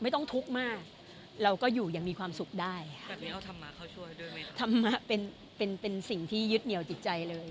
ธรรมะเป็นสิ่งที่ยึดเหนียวจิตใจเลย